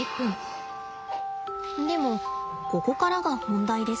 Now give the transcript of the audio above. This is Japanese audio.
でもここからが本題です。